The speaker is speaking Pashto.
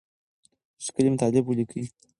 ښکلي مطالب ولیکئ.